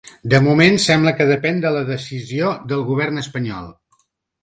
De moment, sembla que depèn de la decisió del govern espanyol.